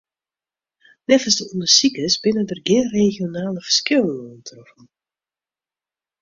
Neffens de ûndersikers binne der gjin regionale ferskillen oantroffen.